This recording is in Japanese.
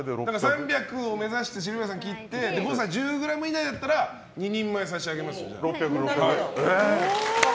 ３００を目指してシルビアさんが切って誤差１０ｇ以内だったら２人前差し上げますよ。